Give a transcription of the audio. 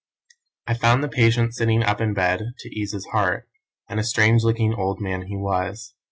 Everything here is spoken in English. "I found the patient sitting up in bed (to ease his heart), and a strange looking old man he was.